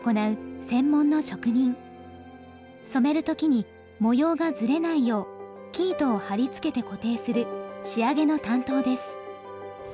染める時に模様がずれないよう生糸を貼り付けて固定する仕上げの担当です。